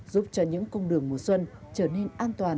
giúp cho những công đường mùa xuân trở nên an toàn và ấm tỉnh người hơn